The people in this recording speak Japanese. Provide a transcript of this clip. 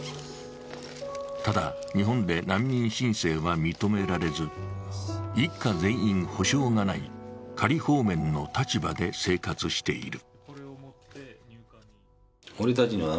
ただ日本で難民申請は認められず、一家全員、保障がない仮放免の立場で生活している。